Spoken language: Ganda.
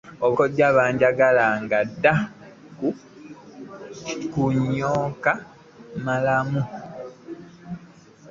Ebukojja banjgala ng'adda ku nyoko mulamu .